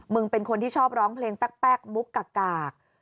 เป็นคนที่ชอบร้องเพลงแป๊กมุกกาก